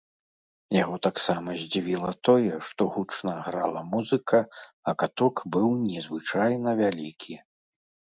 Яго таксама здзівіла тое, што гучна грала музыка, а каток быў незвычайна вялікі.